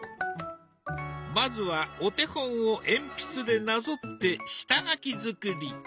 まずはお手本を鉛筆でなぞって下書き作り。